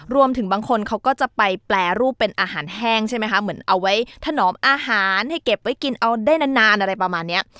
บางคนเขาก็จะไปแปรรูปเป็นอาหารแห้งใช่ไหมคะเหมือนเอาไว้ถนอมอาหารให้เก็บไว้กินเอาได้นานอะไรประมาณเนี้ย